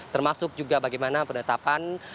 termasuk juga bagaimana penetapan